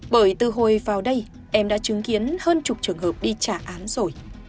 bởi từ hồi vào đây em đã chứng kiến hơn chục trường hợp đi trả án rồi